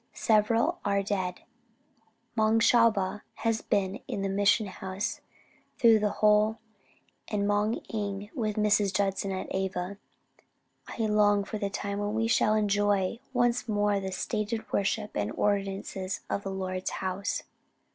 Several are dead; Moung Shwa ba has been in the mission house through the whole, and Moung Ing with Mrs. Judson at Ava.... I long for the time when we shall enjoy once more the stated worship and ordinances of the Lord's house."